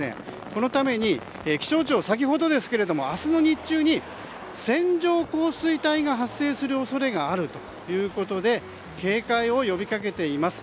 このために気象庁は先ほど明日の日中に線状降水帯が発生する恐れがあるということで警戒を呼びかけています。